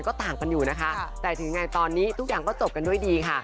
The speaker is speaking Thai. ก็ต่างกันอยู่นะคะแต่ถึงไงตอนนี้ทุกอย่างก็จบกันด้วยดีค่ะ